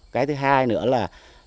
cái thứ hai nữa là